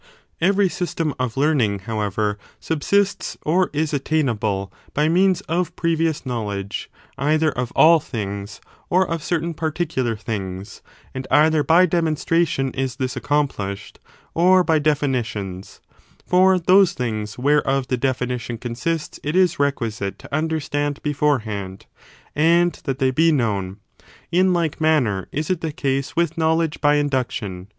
Every systom of learning, however, subsists, or is attainable, CH.IZ.] ABISTOTLE*S APPEAL TO ANTigUlTT. 45 by means of previous knowledge, either of all things, or of certain particular things : and either by demonstration is this accomplished, or by definitions; for those things whereof the definition consists it is requisite to imderstand beforehand, and that they be known. In like manner is it the case with knowledge by induction.